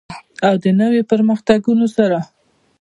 او د نویو پرمختګونو سره.